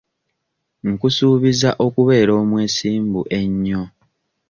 Nkusuubiza okubeera omwesimbu ennyo.